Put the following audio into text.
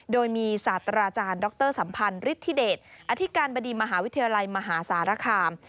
โดยมีศาสตราจารย์ดรสัมพันธ์ฤทธิเดชอธิการบดีมหาวิทยาลัยมหาสารคาม